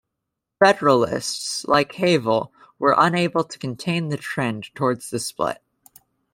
Federalists, like Havel, were unable to contain the trend toward the split.